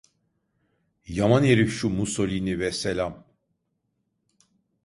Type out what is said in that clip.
Yaman herif şu Musolini vesselam…